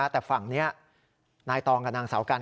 แต่ฝั่งนี้นายตองกับนางสาวกัน